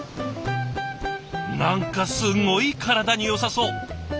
何かすごい体によさそう。